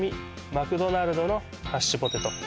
マクドナルドのハッシュポテト